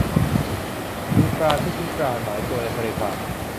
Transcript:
มีปลาที่พิการหลายตัวในทะเลสาบ